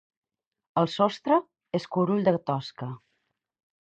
El sostre és curull de tosca.